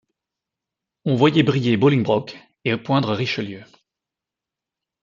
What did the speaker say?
On voyait briller Bolingbroke et poindre Richelieu.